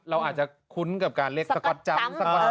เราอาจจะคุ้นกับการเรียกสคอร์ตจั๊มป์